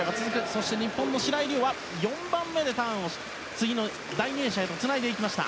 そして日本の白井璃緒は４番目で次の第２泳者へとつないでいきました。